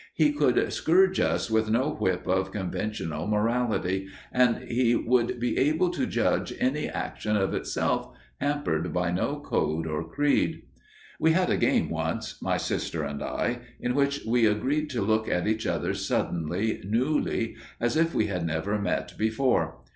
He could scourge us with no whip of conventional morality, and he would be able to judge any action of itself, hampered by no code or creed. We had a game once, my sister and I, in which we agreed to look at each other suddenly, newly, as if we had never met before.